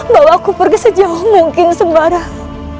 bawa aku pergi sejauh mungkin sembarang